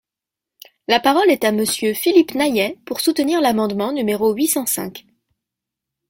La parole est à Monsieur Philippe Naillet, pour soutenir l’amendement numéro huit cent cinq.